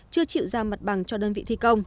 chưa chịu ra mặt bằng cho đơn vị thi công